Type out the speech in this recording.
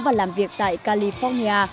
và làm việc tại california